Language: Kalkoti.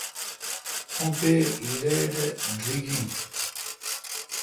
اں پے° لیٹ اے° دریگ این۔